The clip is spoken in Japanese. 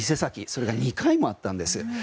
それが２回もあったんです。